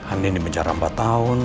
andi ini menjarah empat tahun